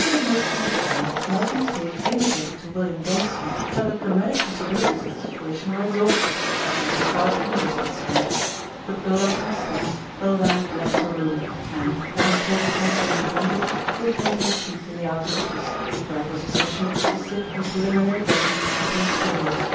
With a motion of his hand Malcolm Sage indicated to William Johnson that the dramatic possibilities of the situation were exhausted, at least as far as he was concerned. With reluctant steps the lad left the room and, having told Thompson he was wanted, returned to his seat in the outer office, where it was his mission to sit in preliminary judgment upon callers.